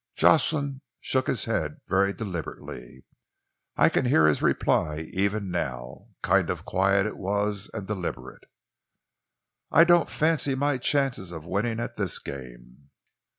"Jocelyn shook his head very deliberately. I can hear his reply even now. Kind of quiet it was and deliberate. "'I don't fancy my chances of winning at this game.'